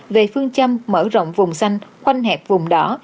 về phương châm mở rộng vùng xanh quanh hẹp vùng đỏ